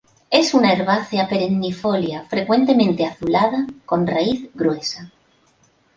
Es una herbácea perennifolia, frecuentemente azuladas, con raíz gruesa.